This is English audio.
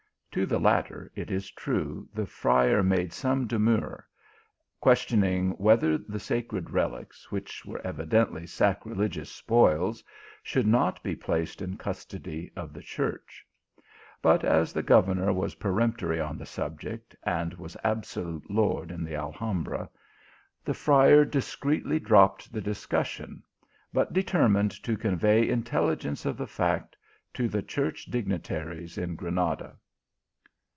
To the latter, it is true, the friar made some demur, questioning whether the sacred reliques, which were evidently sacrilegious spoils, should not be placed in custody of the church ; but as the governor was peremptory on the subject, and was absolute lord in the Alhambra, the friar dis creetly dropped the discussion, but determined to convey intelligence of the fact to the church digni taries in Granada.